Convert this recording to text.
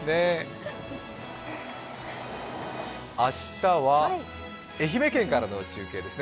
明日は愛媛県からの中継ですね。